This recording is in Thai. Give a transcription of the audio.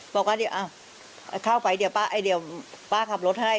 บอกว่าเข้าไปเดี๋ยวป้าขับรถให้